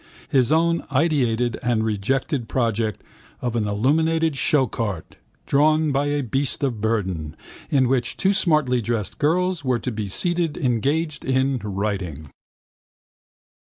His own ideated and rejected project of an illuminated showcart, drawn by a beast of burden, in which two smartly dressed girls were to be seated engaged in writing.